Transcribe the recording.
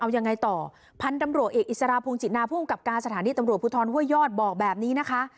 เอายังไงต่อพันธุ์ตำรวจเอกอิสระพงศินาภูมิกับการสถานีตำรวจภูทรห้วยยอดบอกแบบนี้นะคะ